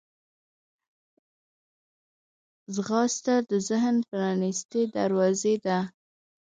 ځغاسته د ذهن پرانستې دروازې ده